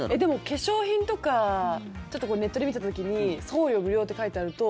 化粧品とかネットで見た時に送料無料って書いてあると